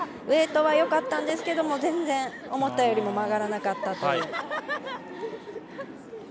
ウエイトはよかったんですけどぜんぜん思ったよりも曲がらなかったと。